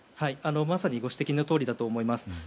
まさにご指摘のとおりだと思います。